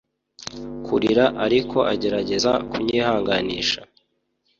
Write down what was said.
kurira ariko agerageza kunyihanganisha